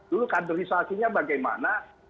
dulu kaderisasi bagaimana